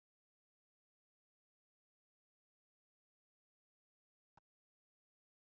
การปรับมือการโรคติดต่อไปมีกิจกรรมคณะกรรมที่๒๕๖๓